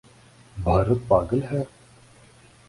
بھارت پاگل ہے؟